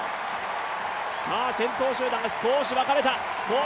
先頭集団が少し分かれた。